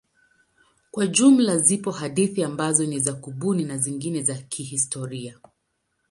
Kwa jumla zipo hadithi ambazo ni za kubuni na zingine za kihistoria.